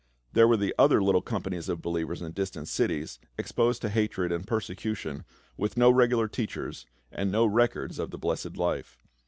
There were the other little companies of believers in distant cities, exposed to hatred and persecution, with no regular teachers, and no records of the blessed life.